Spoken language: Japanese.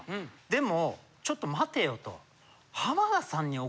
でもちょっと待てよと。